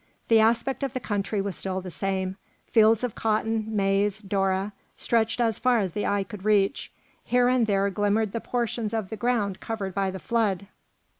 The aspect of the country was still the same; fields of cotton, maize, doora, stretched as far as the eye could reach. Here and there glimmered the portions of the ground covered by the flood.